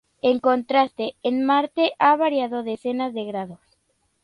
En contraste, en Marte ha variado decenas de grados.